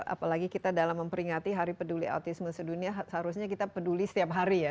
apalagi kita dalam memperingati hari peduli autisme sedunia seharusnya kita peduli setiap hari ya